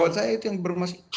buat saya itu yang bermaksud